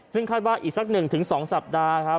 ซึ่งคาดว่าอีกสัก๑๒สัปดาห์ครับ